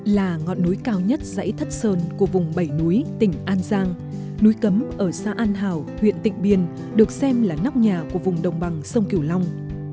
là ngọn núi cao nhất dãy thất sơn của vùng bảy núi tỉnh an giang núi cấm ở xã an hảo huyện tịnh biên được xem là nóc nhà của vùng đồng bằng sông kiều long